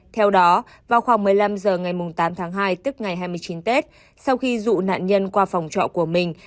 theo đó vào khoảng một mươi năm h ngày tám tháng hai tức ngày hai mươi chín tết sau khi dụ nạn nhân qua phòng trọ của mình